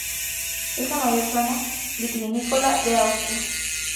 Es la mayor zona vitivinícola de Austria.